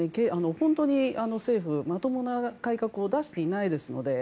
本当に政府、まともな改革を出していないですので。